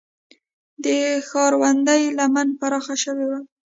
د ښارونډۍ لمن پراخه شوې وه